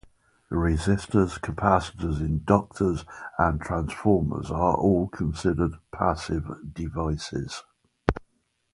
Resistors, capacitors, inductors, and transformers are all considered passive devices.